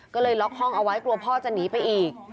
ก็เลยล็อกห้องเอาไว้กลัวพ่อจะหนีไปอีก